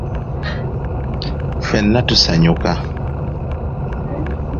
Ffeena tusanyuka.